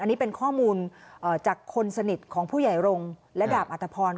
อันนี้เป็นข้อมูลจากคนสนิทของผู้ใหญ่รงค์และดาบอัตภพร